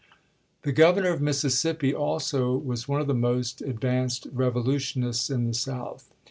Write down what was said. The Governor of Mississippi also was one of the most advanced revolutionists in the South.